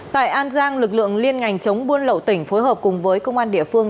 tại an giang lực lượng liên ngành chống buôn lậu tỉnh phối hợp cùng với công an địa phương